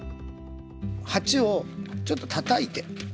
鉢をちょっとたたいて。